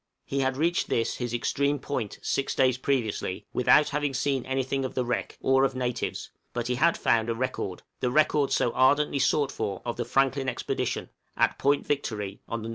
He had reached this his extreme point, six days previously, without having seen anything of the wreck, or of natives, but he had found a record the record so ardently sought for, of the Franklin Expedition at Point Victory, on the N.W.